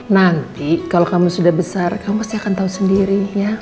nanti kalau kamu sudah besar kamu pasti akan tahu sendiri ya